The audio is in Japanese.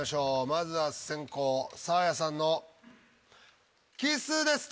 まずは先攻・サーヤさんの「キス」です。